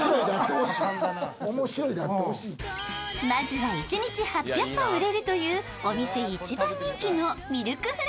まずは一日８００本売れるというお店一番人気のミルク